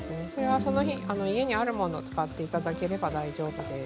その日、家にあるものを使っていただければ大丈夫です。